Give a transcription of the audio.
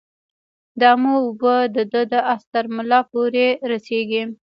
د امو اوبه د ده د آس ترملا پوري رسیږي.